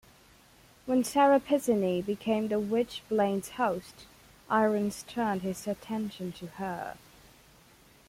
When Sara Pezzini became the Witchblade's host, Irons turned his attention to her.